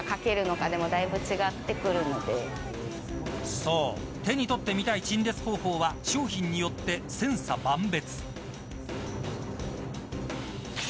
そう、手に取ってみたい陳列方法は商品によって千差万別。